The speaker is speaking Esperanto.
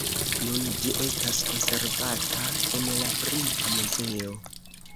Nun ĝi estas konservata en la Brita Muzeo.